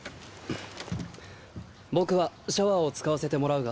僕はシャワーを使わせてもらうが。